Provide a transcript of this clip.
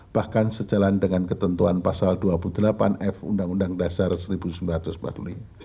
bahkan sejalan dengan ketentuan pasal dua puluh delapan f undang undang dasar seribu sembilan ratus empat puluh lima